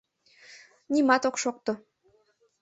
Нимат ок шокто.